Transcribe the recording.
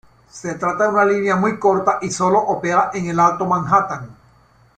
Se trata de una línea muy corta, y sólo opera en el Alto Manhattan.